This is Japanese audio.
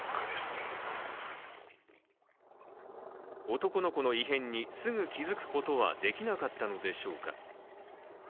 男の子の異変にすぐ気づくことはできなかったのでしょうか。